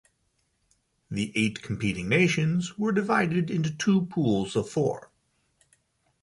The eight competing nations were divided into two pools of four.